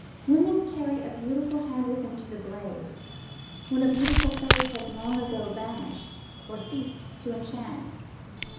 Women carry a beautiful hand with them to the grave, when a beautiful face has long ago vanished, or ceased to enchant.